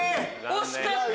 惜しかった。